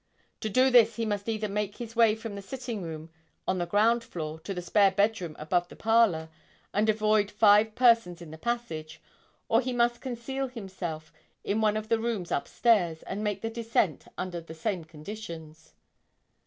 To do this he must either make his way from the sitting room on the ground floor to the spare bed room above the parlor and avoid five persons in the passage, or he must conceal himself in one of the rooms up stairs and make the descent under the same conditions.